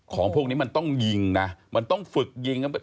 ของพวกนี้มันต้องยิงนะมันต้องฝึกยิง